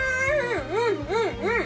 うんうんうん！